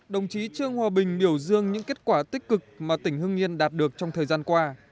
đồng chí trương hòa bình biểu dương những kết quả tích cực mà tỉnh hưng yên đạt được trong thời gian qua